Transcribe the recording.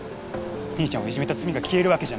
兄ちゃんをいじめた罪が消えるわけじゃない。